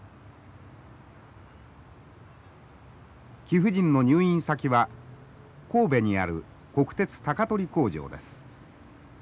貴婦人の入院先は神戸にある国鉄鷹取工場です。